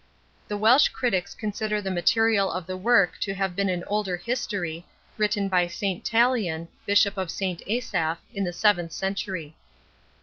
The Welsh critics consider the material of the work to have been an older history, written by St. Talian, Bishop of St. Asaph, in the seventh century.